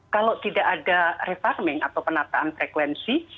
kalau tidak ada refarming atau penataan frekuensi